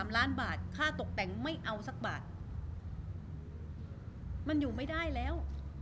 ล้านบาทค่าตกแต่งไม่เอาสักบาทมันอยู่ไม่ได้แล้ว